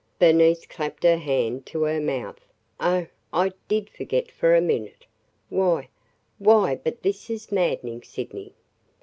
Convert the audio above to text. Bernice clapped her hand to her mouth. "Oh, I did forget for a minute! Why – why but this is maddening, Sydney!